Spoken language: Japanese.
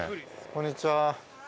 こんにちは。